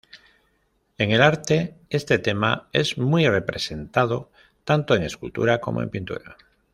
En el arte este tema es muy representado, tanto en escultura como en pintura.